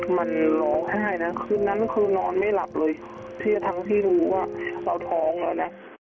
มันร้องไห้นะคืนนั้นคือนอนไม่หลับเลยที่ทั้งที่รู้ว่าเราท้องแล้วนะ